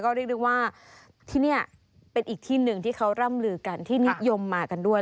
ก็เรียกได้ว่าที่นี่เป็นอีกที่หนึ่งที่เขาร่ำลือกันที่นิยมมากันด้วย